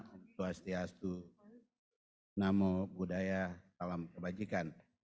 swastiastu namo buddhaya salam kebajikan